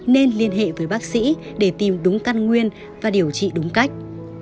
nên liên hệ với bác sĩ để tìm đúng căn nguyên và điều trị đúng cách